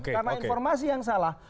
karena informasi yang salah